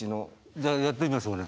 じゃあやってみましょうね。